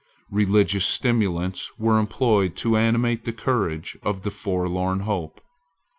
Religious stimulants were employed to animate the courage of the forlorn hope.